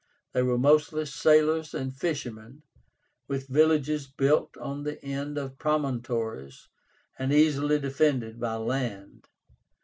They were mostly sailors and fishermen, with villages built on the end of promontories and easily defended by land.